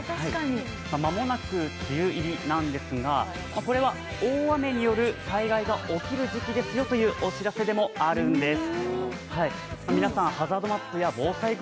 間もなく梅雨入りなんですが、これは大雨による災害が起きる時期ですよというお知らせでもあるんです。